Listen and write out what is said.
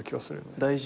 大事。